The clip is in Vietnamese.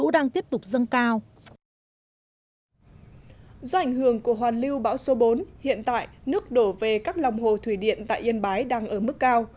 do ảnh hưởng của hoàn lưu bão số bốn hiện tại nước đổ về các lòng hồ thủy điện tại yên bái đang ở mức cao